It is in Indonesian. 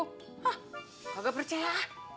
hah kagak percaya